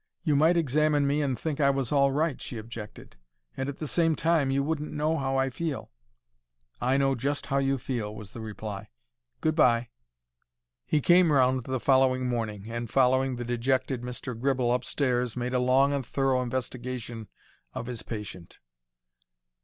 "You might examine me and think I was all right," she objected; "and at the same time you wouldn't know how I feel." "I know just how you feel," was the reply. "Good bye." He came round the following morning and, following the dejected Mr. Gribble upstairs, made a long and thorough investigation of his patient.